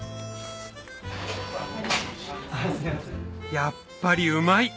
やっぱりうまい！